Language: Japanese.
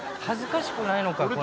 恥ずかしくないのか？